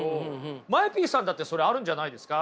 ＭＡＥＰさんだってそれあるんじゃないですか？